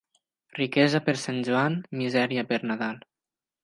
Riquesa per Sant Joan, misèria per Nadal.